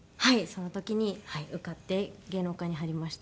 その時に受かって芸能界に入りました。